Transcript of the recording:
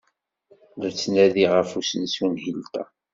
La ttnadiɣ ɣef usensu n Hilton.